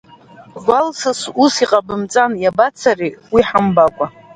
Гәалсыс ус иҟабымҵан, иабацари уи ҳамбакәа…